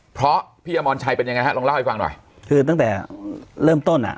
เพราะพี่อมรชัยเป็นยังไงฮะลองเล่าให้ฟังหน่อยคือตั้งแต่เริ่มต้นอ่ะ